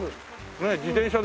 ねえ自転車で。